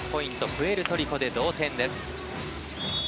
プエルトリコで同点。